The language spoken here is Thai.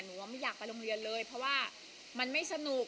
ว่าไม่อยากไปโรงเรียนเลยเพราะว่ามันไม่สนุก